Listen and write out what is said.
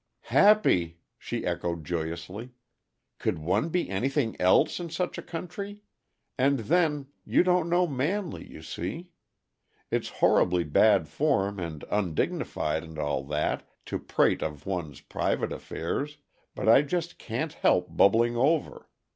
"Happy!" she echoed joyously. "Could one be anything else, in such a country? And then you don't know Manley, you see. It's horribly bad form, and undignified and all that, to prate of one's private affairs, but I just can't help bubbling over.